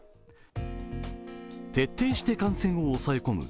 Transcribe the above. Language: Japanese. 徹底して感染を抑え込む